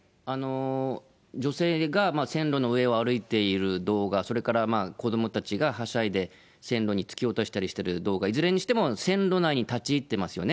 女性が線路の上を歩いている動画、それから子どもたちがはしゃいで線路に突き落としたりしている動画、いずれにしても線路内に立ち入ってますよね。